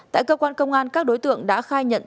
tại cơ quan công an các đối tượng đã khai nhận